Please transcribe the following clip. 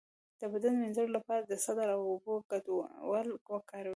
د بدن د مینځلو لپاره د سدر او اوبو ګډول وکاروئ